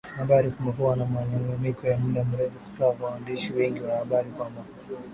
habari Kumekuwa na malalamiko ya muda mrefu kutoka kwa waandishi wengi wa habari kwamba